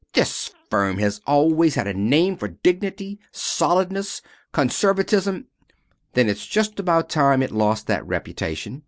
This firm has always had a name for dignity, solidness, conservatism " "Then it's just about time it lost that reputation.